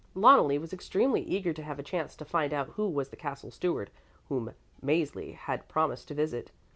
Loneli was extremely eager to have a chance to find out who was the Castle Steward whom Mäzli had promised to visit.